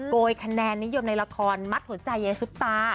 โกยคะแนนนิยมในละครมัดหัวใจยายซุปตา